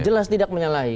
jelas tidak menyalahi